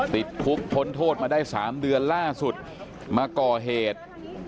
ติดคุกพ้นโทษมาได้๓เดือนล่าสุดมาก่อเหตุ